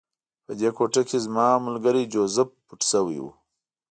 په دې کوټه کې زما ملګری جوزف پټ شوی و